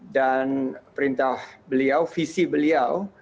dan perintah beliau visi beliau